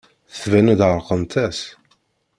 Tban-d ɛerqent-as.